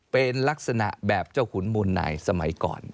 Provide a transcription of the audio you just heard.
เป็นลักษณะแบบเจ้าขุนมูลในสมัยก่อน